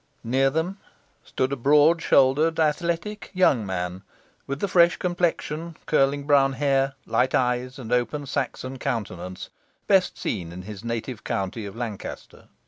Near them stood a broad shouldered, athletic young man, with the fresh complexion, curling brown hair, light eyes, and open Saxon countenance, best seen in his native county of Lancaster.